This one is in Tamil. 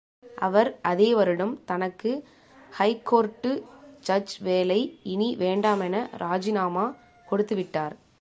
அவர் அதே வருடம் தனக்கு ஹைகோர்ட்டு ஜட்ஜ் வேலை இனி வேண்டாமென ராஜினாமா கொடுத்துவிட்டார்!